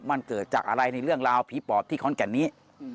มันเกิดจากอะไรในเรื่องราวผีปอบที่ขอนแก่นนี้